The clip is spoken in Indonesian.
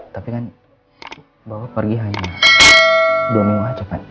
tapi kan bapak pergi hanya dua minggu aja pak